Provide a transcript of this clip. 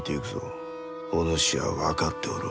お主は分かっておろう？